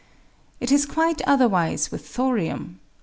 It is quite otherwise with thorium.